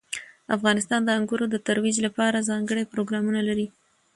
افغانستان د انګورو د ترویج لپاره ځانګړي پروګرامونه لري.